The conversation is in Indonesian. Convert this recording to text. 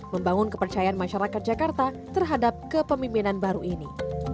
membangun kepercayaan masyarakat jakarta terhadap kepemimpinan baru ini